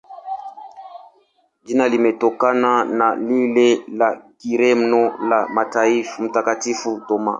Jina limetokana na lile la Kireno la Mtakatifu Thoma.